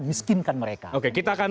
miskinkan mereka oke kita akan